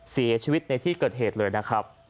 เสียชีวิตในที่เกิดเหตุเลยนะครับ